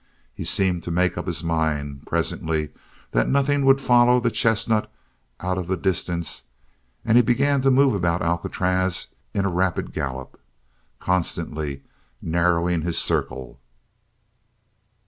He seemed to make up his mind, presently, that nothing would follow the chestnut out of the distance and he began to move about Alcatraz in a rapid gallop, constantly narrowing his circle.